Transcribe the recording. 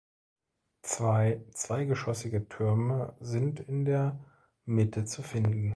Zwei zweigeschossige Türme sind in der Mitte zu finden.